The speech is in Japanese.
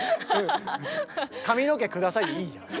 「髪の毛下さい」でいいじゃん。